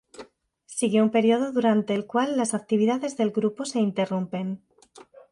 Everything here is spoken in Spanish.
Sigue un periodo durante el cual las actividades del grupo se interrumpen.